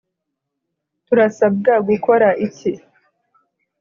Turasabwa gukora iki?